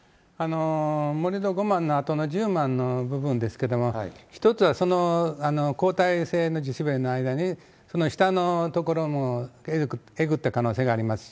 盛り土５万のあとの、１０万の部分ですけども、一つは後退性の地滑りの間に、その下の所もえぐった可能性がありますし、